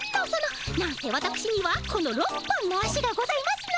なんせわたくしにはこの６本の足がございますので。